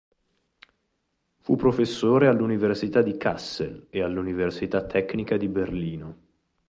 Fu professore all'università di Kassel e all'università tecnica di Berlino.